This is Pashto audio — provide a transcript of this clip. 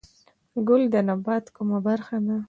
ګل د نبات کومه برخه ده؟